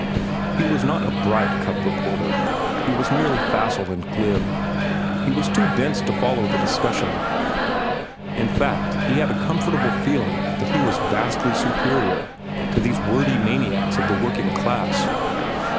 He was not a bright cub reporter. He was merely facile and glib. He was too dense to follow the discussion. In fact, he had a comfortable feeling that he was vastly superior to these wordy maniacs of the working class.